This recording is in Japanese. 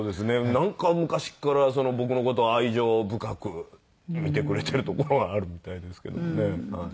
なんか昔から僕の事愛情深く見てくれてるところはあるみたいですけどもね。